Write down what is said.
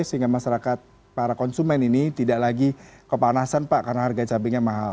sehingga masyarakat para konsumen ini tidak lagi kepanasan pak karena harga cabainya mahal